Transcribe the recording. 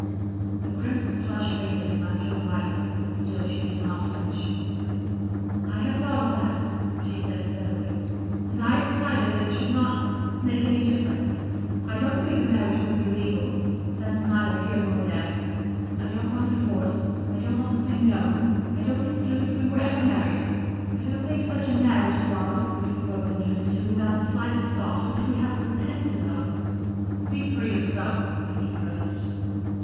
The crimson flush faded and left her white, but still she did not flinch. "I have thought of that," she said, steadily, "and I have decided that it should not make any difference. I don't believe the marriage would be legal but that's neither here nor there. I don't want a divorce, I don't want the thing known, I don't consider that we were ever married. I don't think such a marriage as ours, which we both entered into without the slightest thought, which we have repented of" "Speak for yourself," he interposed.